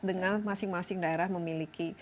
dengan masing masing daerah memiliki